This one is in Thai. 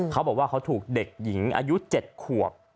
เขาบอกว่าเขาถูกเด็กหญิงอายุ๗ขวบ